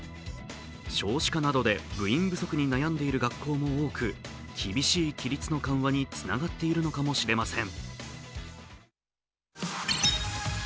少子化などで部員不足に悩んでいる学校も多く厳しい規律の緩和につながっているのかもしれません。